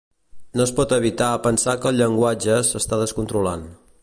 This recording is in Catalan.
No es pot evitar pensar que el llenguatge s'està descontrolant.